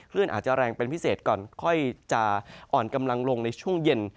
อาจจะแรงเป็นพิเศษก่อนค่อยจะอ่อนกำลังลงในช่วงเย็น